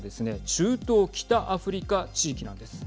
中東北アフリカ地域なんです。